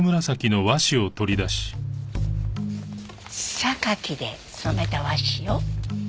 榊で染めた和紙よ。